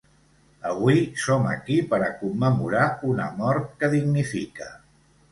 Avui som aquí per a commemorar una mort que dignifica.